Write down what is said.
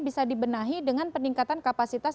bisa dibenahi dengan peningkatan kapasitas